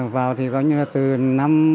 vào thì có như là